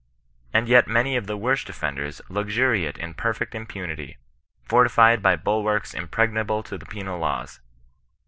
And yet many of the worst offenders luxuriate in perfect impunity, fortified by bulwarks impregnable to the penal laws.